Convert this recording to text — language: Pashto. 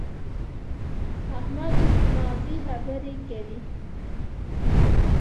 احمد اوس په مغزي خبرې کوي.